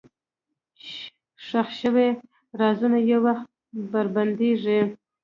ښخ شوي رازونه یو وخت بربنډېږي.